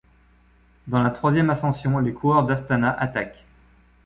Dans la troisième ascension, les coureurs d'Astana attaquent.